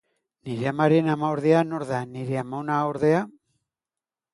Nire amaren amaordea nor da, nire amonaordea?